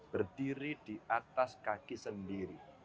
berdiri di atas kaki sendiri